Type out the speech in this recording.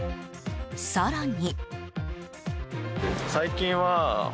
更に。